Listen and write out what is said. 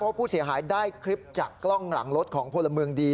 เพราะผู้เสียหายได้คลิปจากกล้องหลังรถของพลเมืองดี